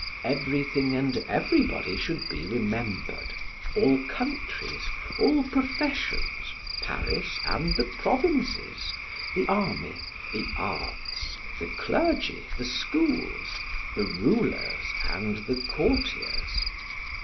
Everything and everybody should be remembered, all countries, all professions, Paris and the provinces, the army, the arts, the clergy, the schools, the rulers, and the courtiers.